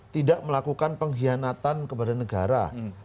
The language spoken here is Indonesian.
tidak melakukan pengkhianatan kepada negara